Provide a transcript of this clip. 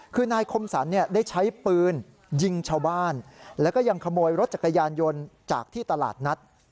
คือนายคมสรรได้ใช้ปืนยิงชาวบ้านแล้วก็ยังขโมยรถจักรยานยนต์จากที่ตลาดนัด